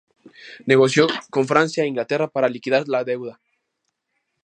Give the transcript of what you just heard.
Negoció con Francia e Inglaterra para liquidar la deuda.